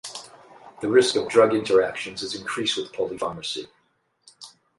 The risk of drug interactions is increased with polypharmacy.